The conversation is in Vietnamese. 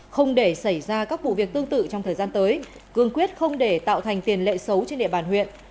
không để xảy ra các vụ việc tương tự trong thời gian tới cương quyết không để tạo thành tiền lệ xấu trên địa bàn huyện